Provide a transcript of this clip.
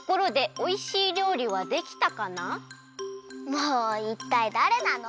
もういったいだれなの？